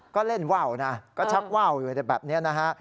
ก็เล่นว่าวนะก็ชักว่าวอยู่แบบนี้นะฮะ